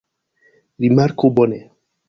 Rimarku bone.